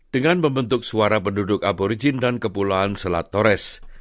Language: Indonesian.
dengan membentuk suara penduduk aborigin dan kepulauan selat torres